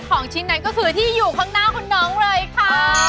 ของชิ้นนั้นก็คือที่อยู่ข้างหน้าคุณน้องเลยค่ะ